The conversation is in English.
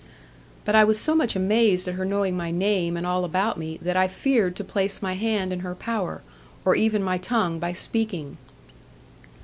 But I was so much amazed at her knowing my name and all about me, that I feared to place my hand in her power, or even my tongue by speaking.